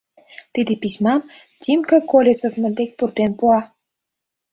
Тиде письмам Тимка Колесовмыт дек пуртен пуа.